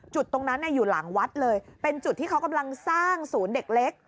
จุดตรงนั้นอยู่หลังวัดเลยเป็นจุดที่เขากำลังสร้างศูนย์เด็กเล็ก